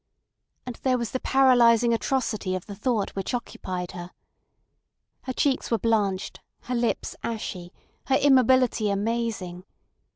And there was the paralysing atrocity of the thought which occupied her. Her cheeks were blanched, her lips ashy, her immobility amazing.